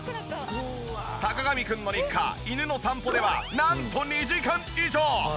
坂上くんの日課犬の散歩ではなんと２時間以上！